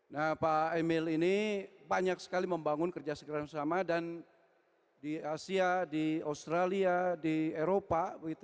nah pak emil ini banyak sekali membangun kerja sekiraan bersama dan di asia di australia di eropa